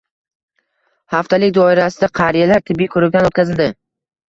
Haftalik doirasida qariyalar tibbiy ko‘rikdan o‘tkazildi